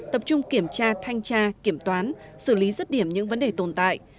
tập trung kiểm tra thanh tra kiểm toán xử lý rứt điểm những vấn đề tồn tại